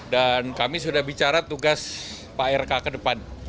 kami sudah bicara tugas pak rk ke depan